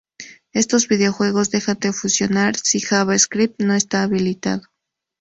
Estos videojuegos dejan de funcionar si JavaScript no está habilitado.